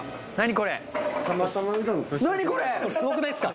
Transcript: これすごくないっすか？